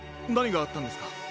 なにがあったんですか？